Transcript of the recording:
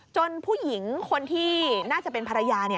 ผู้หญิงคนที่น่าจะเป็นภรรยา